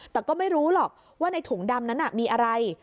แต่ก็ไม่รู้หรอกว่าในถุงดำนั้นมีอะไร